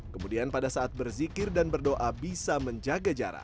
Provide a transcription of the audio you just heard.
kemudian pada saat berzikir dan berdoa bisa menjaga jarak